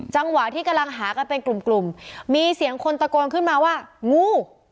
จังหวะที่กำลังหากันเป็นกลุ่มกลุ่มมีเสียงคนตะโกนขึ้นมาว่างู